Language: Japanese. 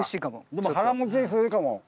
でも腹もちするかも。